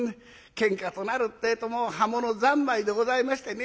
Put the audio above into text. ケンカとなるってえともう刃物三昧でございましてね